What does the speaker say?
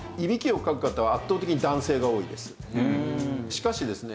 しかしですね